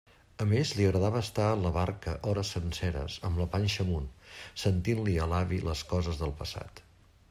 A més li agradava estar en la barca hores senceres amb la panxa amunt, sentint-li a l'avi les coses del passat.